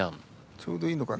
ちょうどいいのかな。